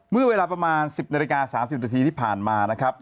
เมื่อเวลาประมาณ๑๐นาฬิกา๓๐นาทีที่ผ่านมานะครับ